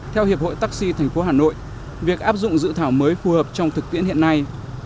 theo hiệp hội taxi tp hà nội việc áp dụng dự thảo mới phù hợp trong thực tiễn hiện nay